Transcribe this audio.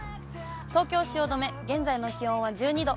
東京・汐留、現在の気温は１２度。